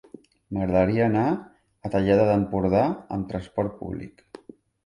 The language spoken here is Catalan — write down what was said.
M'agradaria anar a la Tallada d'Empordà amb trasport públic.